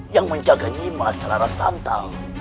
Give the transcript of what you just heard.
yang menjaga nyimah rarasata